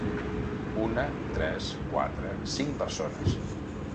Una, tres, quatre, cinc persones.